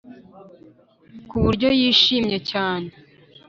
ku buryo yishimye cyane,